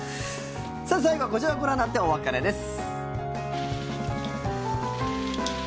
最後はこちらをご覧になってお別れです。